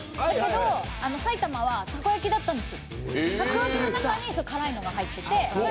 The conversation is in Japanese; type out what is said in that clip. だけど、埼玉はたこ焼きだったんです。